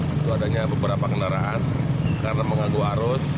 tidak adanya beberapa kendaraan karena mengaguh arus